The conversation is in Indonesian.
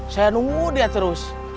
saya nunggu dia terus